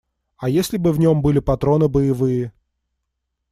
А если бы в нем были патроны боевые?